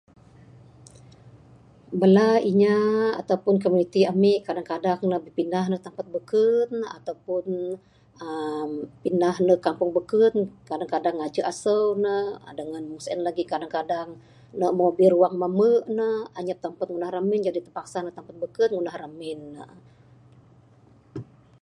Bala inya atau pun komuniti ami kadang-kadang ne bepindah ndug tempat beken atau pun, aaa... pindah ndeg kampung beken. Kadang-kadang ngajah asau ne. Dengan mung sien lagi kadang-kadang ne [unintelligible] ruang mambe ne. Anyap tempat ngundah ramin, jaji ne terpaksa ndug tempat beken ne ngundah ramin.